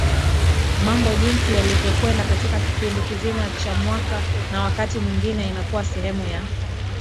mambo jinsi yalivyokwenda katika kipindi kizima cha mwaka na wakati mwingine inakuwa sehemu ya